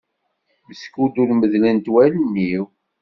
Meskud ur medlent wallen-iw.